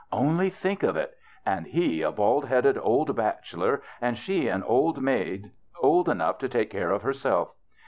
Only think of it ! And he, a bald headed old bachelor, and she an old maid old enough to take care of herself.